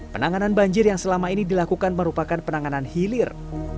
penanganan banjir yang selama ini dilakukan merupakan penanganan hilir